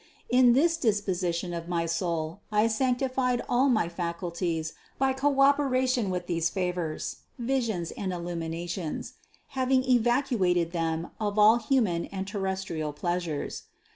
In this disposition of my soul I sanctified all my faculties by co operation with these favors, visions and illuminations, having evacuated them of all human and terrestrial pleasures.